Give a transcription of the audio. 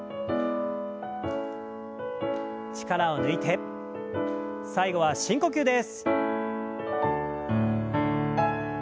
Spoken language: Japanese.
力を抜いて最後は深呼吸です。